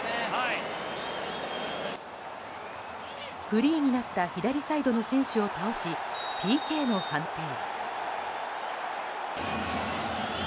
フリーになった左サイドの選手を倒しＰＫの判定。